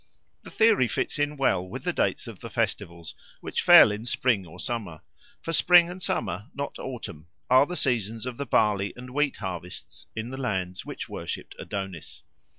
The theory fits in well with the dates of the festivals, which fell in spring or summer; for spring and summer, not autumn, are the seasons of the barley and wheat harvests in the lands which worshipped Adonis.